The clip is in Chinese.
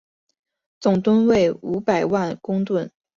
总吨位五百多公顿。